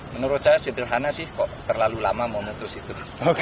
menurut saya sederhana sih kok terlalu lama memutus itu